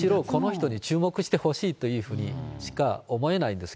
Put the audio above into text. むしろこの人に注目してほしいというふうにしか思えないんですよ